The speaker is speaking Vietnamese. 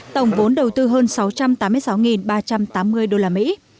tổng vốn đầu tư hơn sáu trăm tám mươi sáu ba trăm tám mươi đô la mỹ